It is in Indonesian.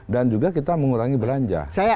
dan juga kita mengurangi belanja